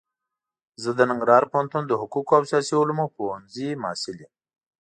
زه د ننګرهار پوهنتون د حقوقو او سیاسي علومو پوهنځي محصل يم.